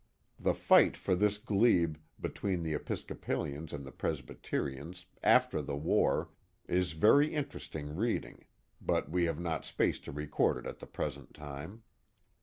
The fight for this glebe, between the Episcopalians and the Presbyterians, after the war, is very in teresting reading, but we have not space to record it at the present time.